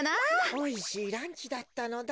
おいしいランチだったのだ。